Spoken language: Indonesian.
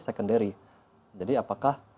secondary jadi apakah